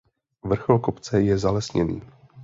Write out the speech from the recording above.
Vrchol kopce je zalesněný.